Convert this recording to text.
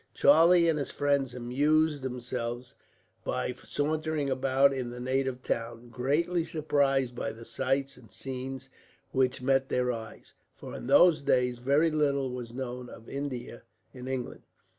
Charlie and his friends amused themselves by sauntering about in the native town, greatly surprised by the sights and scenes which met their eyes; for in those days very little was known of India, in England.